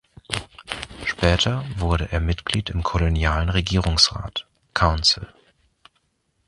Später wurde er Mitglied im kolonialen Regierungsrat (Council).